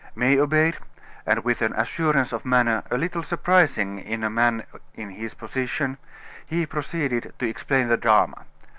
May obeyed, and with an assurance of manner a little surprising in a man in his position, he proceeded to explain the drama.